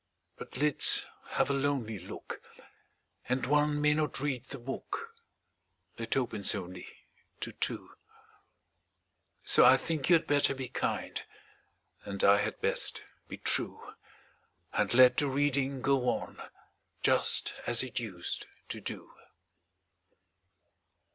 But lids have a lonely look, And one may not read the book It opens only to two; So I think you had better be kind, And I had best be true, And let the reading go on, Just as it used to do.